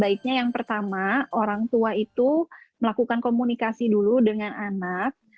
baiknya yang pertama orang tua itu melakukan komunikasi dulu dengan anak